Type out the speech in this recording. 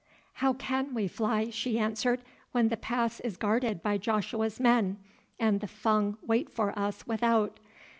"How can we fly," she answered, "when the pass is guarded by Joshua's men, and the Fung wait for us without?